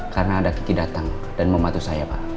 karena ada kiki datang dan membantu saya pak